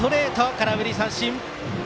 空振り三振。